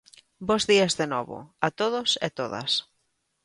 Bos días de novo, a todos e todas.